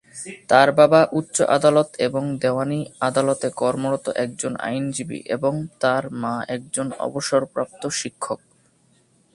তার বাবা উচ্চ আদালত এবং দেওয়ানী আদালতে কর্মরত একজন আইনজীবী এবং তার মা একজন অবসরপ্রাপ্ত শিক্ষক।